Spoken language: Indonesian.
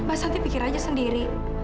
mbak santi pikir aja sendiri